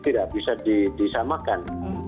tidak bisa disamakan